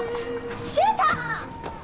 シュート！